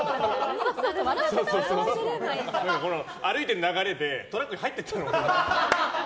歩いてる流れでトラックに入ってこうかなって。